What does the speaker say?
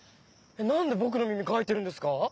何で僕の耳描いてるんですか？